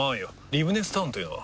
リブネスタウンというのは？